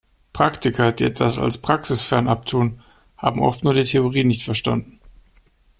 Praktiker, die etwas als praxisfern abtun, haben oft nur die Theorie nicht verstanden.